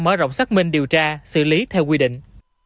mở rộng xác minh điều tra xử lý theo quy định